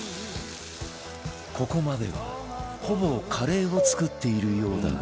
ここまではほぼカレーを作っているようだが